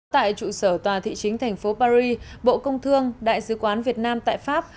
tại trụ sở tòa thị chính thành phố paris bộ công thương đại sứ quán việt nam tại pháp